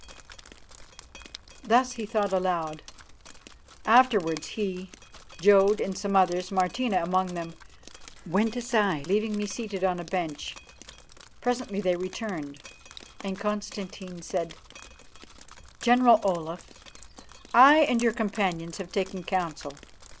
Thus he thought aloud. Afterwards he, Jodd and some others, Martina among them, went aside, leaving me seated on a bench. Presently they returned, and Constantine said, "General Olaf, I and your companions have taken counsel.